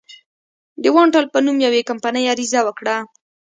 د اوانټل په نوم یوې کمپنۍ عریضه وکړه.